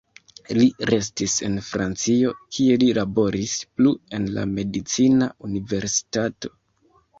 Li restis en Francio, kie li laboris plu en la medicina universitato.